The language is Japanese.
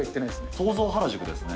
想像原宿ですね。